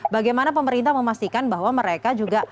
bagaimana pemerintah memastikan bahwa mereka juga